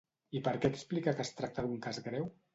I per què explica que es tracta d'un cas greu?